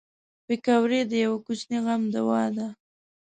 پکورې د یوه کوچني غم دوا ده